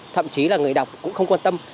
thậm chí là người đọc cũng không quan tâm